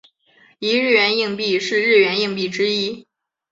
一日圆硬币是日圆硬币之一。